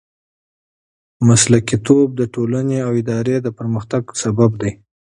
مسلکیتوب د ټولنې او ادارې د پرمختګ سبب دی.